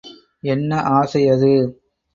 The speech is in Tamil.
என்ன ஆசை அது?